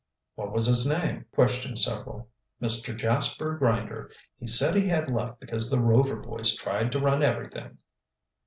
"What was his name?" questioned several. "Mr. Jasper Grinder. He said he had left because the Rover boys tried to run everything."